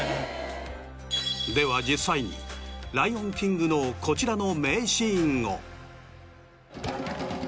では実際に『ライオンキング』のこちらの。